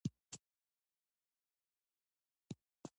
په هېواد کې تکتونیکی پلیټو حرکت درزونه رامنځته کړي دي